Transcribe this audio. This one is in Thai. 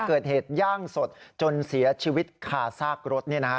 เกิดเหตุย่างสดจนเสียชีวิตคาซากรถ